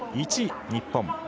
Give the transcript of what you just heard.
１位、日本。